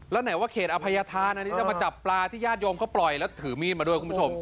และแหละว่าเขตอภัยธาจะมาจับปลาที่ญาติโยมก็ปล่อยถือมีดมาด้วยคุณผู้ชม